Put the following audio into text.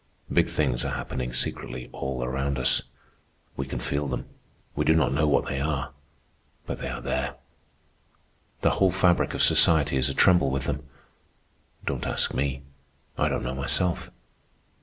"Big things are happening secretly all around us. We can feel them. We do not know what they are, but they are there. The whole fabric of society is a tremble with them. Don't ask me. I don't know myself.